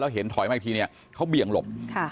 เห็นถอยมาอีกทีเนี่ยเขาเบี่ยงหลบ